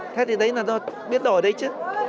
thế thì đấy là biến đổi đấy chứ